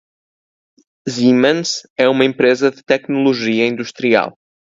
Siemens é uma empresa de tecnologia industrial.